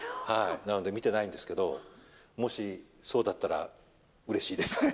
なので見てないんですけれども、もしそうだったら、うれしいです。